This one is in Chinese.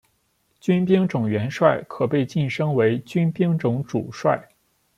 军兵种元帅可被晋升为军兵种主帅。